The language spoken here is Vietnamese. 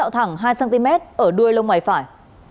thẳng hai cm ở đuôi lông mày phải